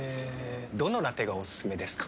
どのラテがおすすめですか？